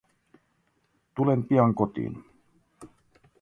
Tulen pian kotiin.